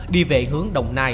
đi về hướng đồng nai